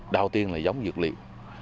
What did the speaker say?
đầu tiên là giống dược liệu